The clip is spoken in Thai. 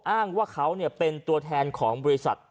อ้างว่าเขาเป็นตัวแทนของบริษัท